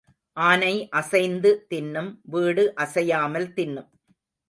ஆனை அசைந்து தின்னும் வீடு அசையாமல் தின்னும்.